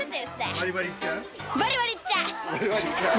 バリバリいっちゃう！